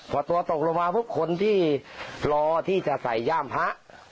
พอตัวตกลงมาปุ๊บคนที่รอที่จะใส่ย่ามพระ